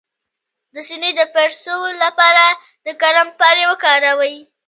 د سینې د پړسوب لپاره د کرم پاڼې وکاروئ